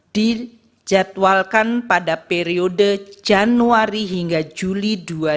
dijadwalkan pada periode januari hingga juli dua ribu dua puluh